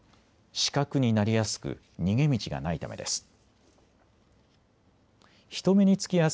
死角になりやすく逃げ道がないためです。